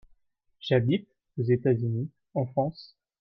J'habite (aux États-Unis/en France).